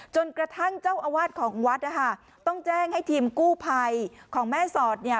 จนกระทั่งเจ้าอาวาสของวัดนะคะต้องแจ้งให้ทีมกู้ภัยของแม่สอดเนี่ย